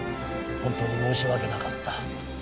本当に申し訳なかった。